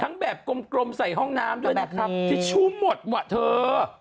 แบบกลมใส่ห้องน้ำด้วยนะครับทิชชู่หมดว่ะเธอ